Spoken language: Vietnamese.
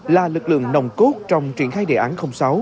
là lực lượng nồng cốt trong triển khai đề án sáu